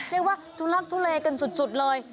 เรียกว่าทุลักทุเลกันสุดเลย